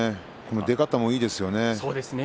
出方もいいですよね。